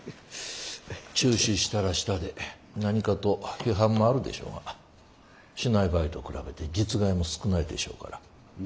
中止したらしたで何かと批判もあるでしょうがしない場合と比べて実害も少ないでしょうから。